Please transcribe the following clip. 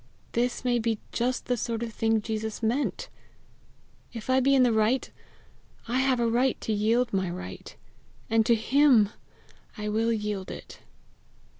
This may be just the sort of thing Jesus meant! Even if I be in the right, I have a right to yield my right and to HIM I will yield it.